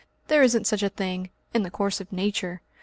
There isn't such a thing in the course of Nature.